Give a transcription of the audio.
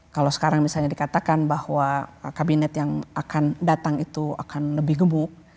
kalau sekarang misalnya dikatakan bahwa kabinet yang akan datang itu akan lebih gebuk